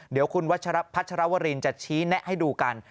เดี๋ยวคุณพัชรวรินจะชี้แนะให้ดูกัน